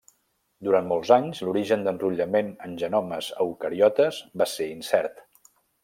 Durant molts anys, l'origen d'enrotllament en genomes eucariotes va ser incert.